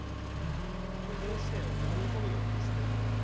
血栓を挟み込むようにですね